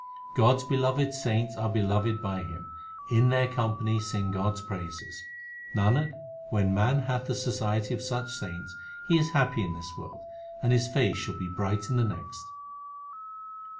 God s beloved saints are beloved by Him ; in their com pany sing God s praises. Nanak, when man hath the society of such saints, he is happy in this world, and his face shall be bright in the next.